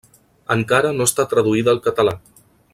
Encara no està traduïda al català.